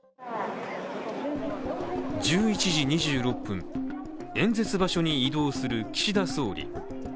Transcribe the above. １１時２６分、演説場所に移動する岸田総理。